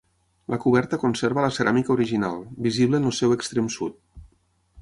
La coberta conserva la ceràmica original, visible en el seu extrem sud.